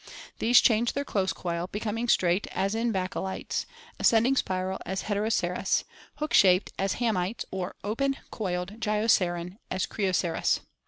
These change their close coil, becoming straight as in Baculites, ascending spiral as Heteroceras (Fig. 113), hook shaped as Hatnites, or open coiled gyroceran as Crioceras.